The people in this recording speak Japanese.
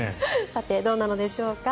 さてどうなのでしょうか。